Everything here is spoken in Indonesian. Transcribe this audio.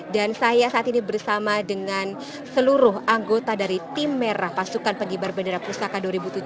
dan saya saat ini bersama dengan seluruh anggota dari tim merah pasukan penggibar bendera pusaka dua ribu tujuh belas